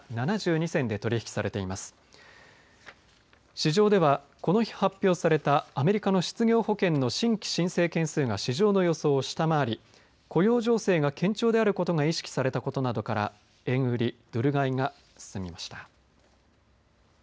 市場では、この日発表されたアメリカの失業保険の新規申請件数が市場の予想を下回り雇用情勢が堅調であることが意識されたことなどから円売り、ドル買いが進みました。